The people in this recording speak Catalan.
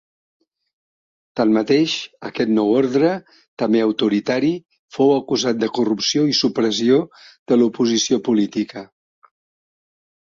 Tanmateix, aquest Nou Ordre, també autoritari, fou acusat de corrupció i supressió de l'oposició política.